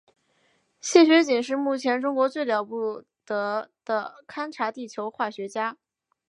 谢学锦是目前中国最了不得的勘察地球化学家。